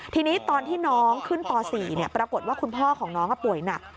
ทีนี้ตอนที่น้องขึ้นป๔ปรากฏว่าคุณพ่อของน้องป่วยหนัก